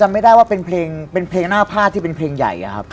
ไม่ได้ว่าเป็นเพลงหน้าพาดที่เป็นเพลงใหญ่